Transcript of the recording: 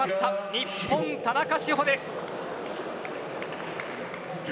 日本、田中志歩です。